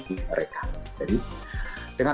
mereka jadi dengan